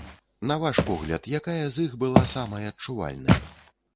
На ваш погляд, якая з іх была самай адчувальнай?